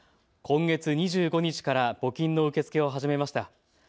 今月２５日から募金の受け付けを始めました。